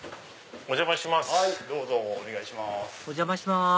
お邪魔します。